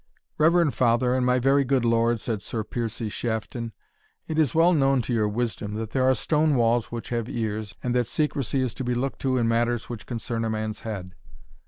"Reverend Father, and my very good lord," said Sir Piercie Shafton, "it is well known to your wisdom, that there are stone walls which have ears, and that secrecy is to be looked to in matters which concern a man's head."